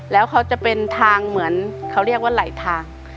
แล้วเขาจะเป็นทางเหมือนเขาเรียกว่าไหลทาง